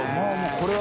これは。